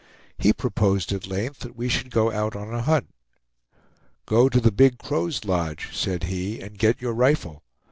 He proposed at length that we should go out on a hunt. "Go to the Big Crow's lodge," said he, "and get your rifle.